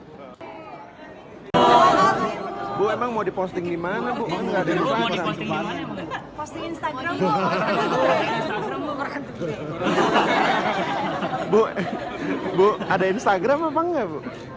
ibu negara mengaku katanya gak punya akun media sosial seperti instagram